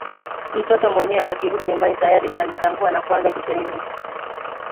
mtoto mwenyewe akirudi nyumbani tayari anajitambua na kuanza kutuelimisha